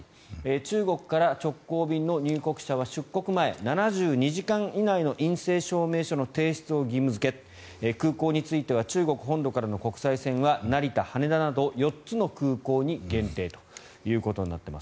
中国から直行便の入国者は出国前７２時間以内の陰性証明を提出空港については中国本土からの国際線は成田、羽田など４つの空港に限定となっています。